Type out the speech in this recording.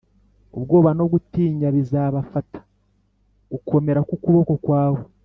ubwoba no gutinya bizabafata, gukomera k’ukuboko kwawe